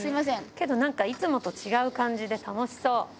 けど、なんかいつもと違う感じで楽しそう。